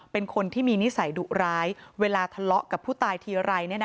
เป็นคนที่มีนิสัยดุร้ายเวลาทะเลาะกับผู้ตายทีไร